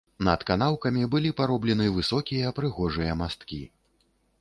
Над канаўкамі былі пароблены высокія прыгожыя масткі.